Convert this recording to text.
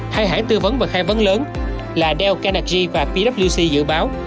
hai hãng tư vấn và khai vấn lớn là dell carnegie và pwc dự báo